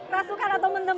rasukan atau mendem